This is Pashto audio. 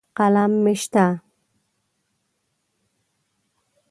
قلم مې شته.